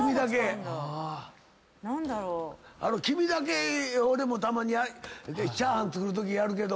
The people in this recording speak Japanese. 黄身だけ俺もたまにチャーハン作るときやるけども。